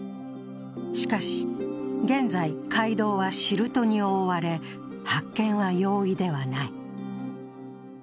しかし現在、街道はシルトに覆われ発見は容易ではない。